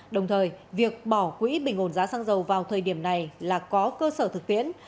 đồng thời việc bỏ quỹ bình ổn giá xăng dầu vào thời điểm này là có cơ sở thực tiễn